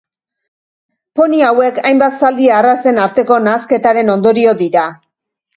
Poni hauek hainbat zaldi arrazen arteko nahasketaren ondorio dira.